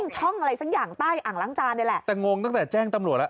ช่องอะไรสักอย่างใต้อ่างล้างจานนี่แหละแต่งงตั้งแต่แจ้งตำรวจแล้ว